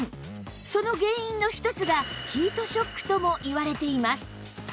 その原因の一つがヒートショックともいわれています